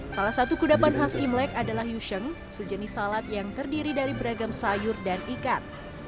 salah satu kudapan khas imlek adalah yusheng sejenis salad yang terdiri dari beragam sayur dan ikan